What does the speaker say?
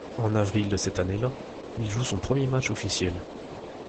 En avril de cette année-là, il joue son premier match officiel.